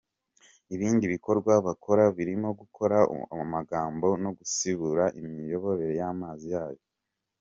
Ibindi bikorwa bakora birimo gukora umuganda no gusibura imiyoboro y’amazi yayo.